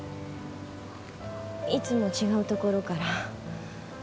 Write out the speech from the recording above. いつも違うところから。